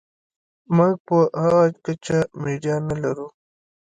موږ په هغه کچه میډیا نلرو.